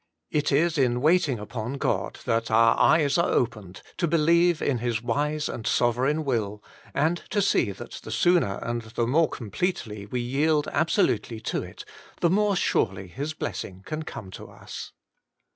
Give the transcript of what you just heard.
It is in waiting upon God that our eyes are opened to believe in His wise and sovereign will, and to see that the sooner and the more completely we yield absolutely to it, the more surely His blessing can come to us.